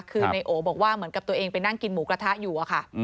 คือนายโอบอกว่าเหมือนกับตัวเองไปนั่งกินหมูกระทะอยู่อะค่ะ